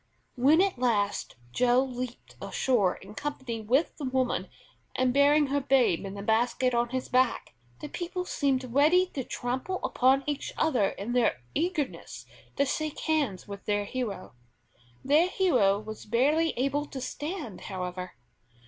When at last Joe leaped ashore in company with the woman, and bearing her babe in the basket on his back, the people seemed ready to trample upon each other in their eagerness to shake hands with their hero. Their hero was barely able to stand, however.